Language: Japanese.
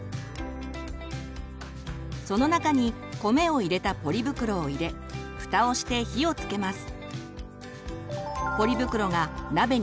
その中に米を入れたポリ袋を入れふたをして火をつけます。